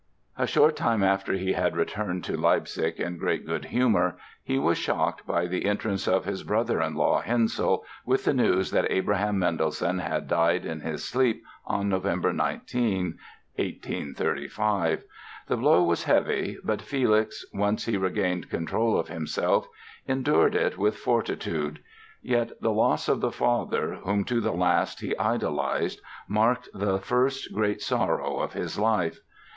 A short time after he had returned to Leipzig in great good humor he was shocked by the entrance of his brother in law, Hensel, with the news that Abraham Mendelssohn had died in his sleep on Nov. 19, 1835. The blow was heavy but Felix, once he regained control of himself, endured it with fortitude. Yet the loss of the father whom, to the last, he idolized marked the first great sorrow of his life.